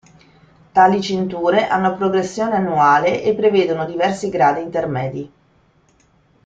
Tali cinture hanno progressione annuale e prevedono diversi gradi intermedi.